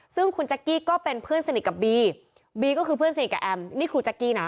ซึ่งคุณแจ๊กกี้ก็เป็นเพื่อนสนิทกับบีบีก็คือเพื่อนสนิทกับแอมนี่ครูแจ๊กกี้นะ